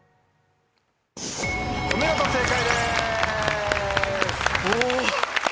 お見事正解です。